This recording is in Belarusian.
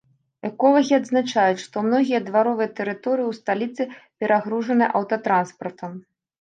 Эколагі адзначаюць, што многія дваровыя тэрыторыі ў сталіцы перагружаныя аўтатранспартам.